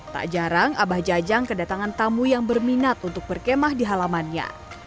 tak jarang abah jajang kedatangan tamu yang berminat untuk berkemah di halamannya